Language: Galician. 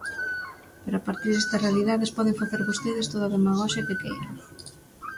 Pero a partir destas realidades poden facer vostedes toda a demagoxia que queiran.